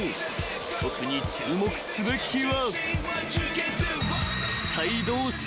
［特に注目すべきは］